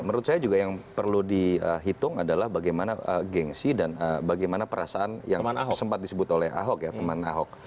menurut saya juga yang perlu dihitung adalah bagaimana gengsi dan bagaimana perasaan yang sempat disebut oleh ahok ya teman ahok